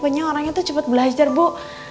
tapi saya nih orangnya tuh cuman belajar bu